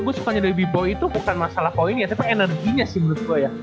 gua sukanya dari bboy itu bukan masalah poin ya tapi energinya sih menurut gua ya